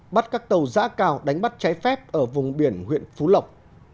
bắt các tàu giã cào đánh bắt trái phép ở vùng biển huyện phú lộc